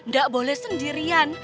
gak boleh sendirian